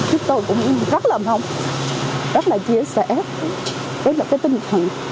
chúng tôi cũng rất là mong rất là chia sẻ với một cái tinh thần